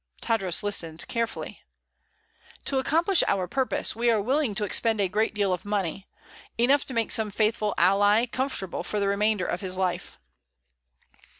Tadros listened carefully. "To accomplish our purpose, we are willing to expend a great deal of money enough to make some faithful ally comfortable for the remainder of his life."